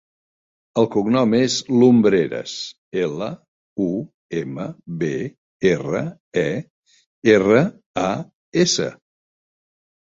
El cognom és Lumbreras: ela, u, ema, be, erra, e, erra, a, essa.